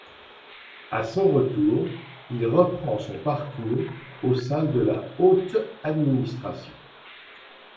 À son retour, il reprend son parcours au sein de la haute-administration.